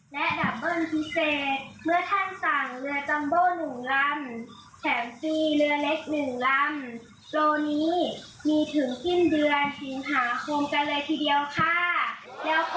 และดับเบิ้ลพิเศษเมื่อท่านสั่งเรือจัมโบ๑ลำแถมซีเรือเล็ก๑ลำโลนี้มีถึงสิ้นเดือนสิงหาคมกันเลยทีเดียวค่ะ